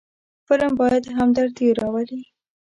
فلم باید همدردي راولي